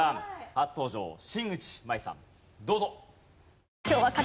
初登場新内眞衣さんどうぞ。